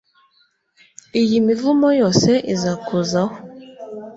iyi mivumo yose izakuzaho,